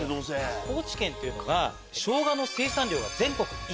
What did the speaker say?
高知県というのが。